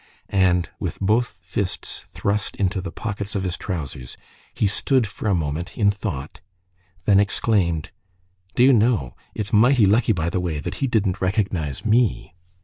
And with both fists thrust into the pockets of his trousers, he stood for a moment in thought, then exclaimed:— "Do you know, it's mighty lucky, by the way, that he didn't recognize me!